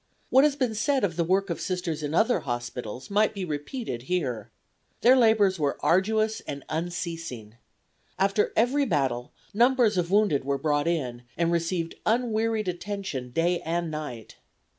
What has been said of the work of Sisters in other hospitals might be repeated here. Their labors were arduous and unceasing. After every battle numbers of wounded were brought in, and received unwearied attention day and night.